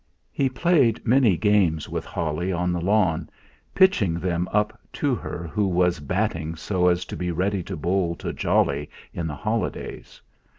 He played many games with Holly on the lawn, pitching them up to her who was batting so as to be ready to bowl to Jolly in the holidays.